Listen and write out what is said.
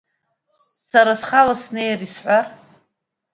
Сара схала снеир, исҳәар…